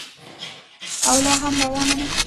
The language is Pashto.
او لا هم روانه ده.